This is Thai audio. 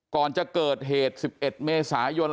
ก่อนจะเกิดเหตุ๑๑เมษายน